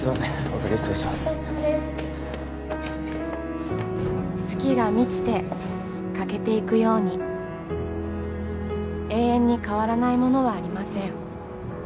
お疲れさまです月が満ちて欠けていくように永遠に変わらないものはありません